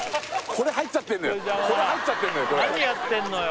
これ入っちゃってんのよ